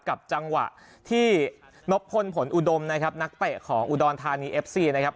กับจังหวะที่นบพลผลอุดมนะครับนักเตะของอุดรธานีเอฟซีนะครับ